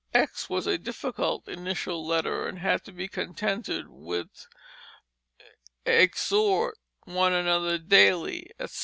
X was a difficult initial letter, and had to be contented with "Xhort one another daily, etc."